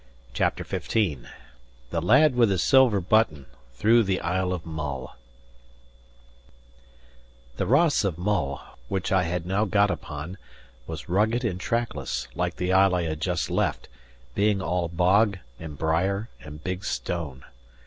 CHAPTER XV THE LAD WITH THE SILVER BUTTON: THROUGH THE ISLE OF MULL The Ross of Mull, which I had now got upon, was rugged and trackless, like the isle I had just left; being all bog, and brier, and big stone.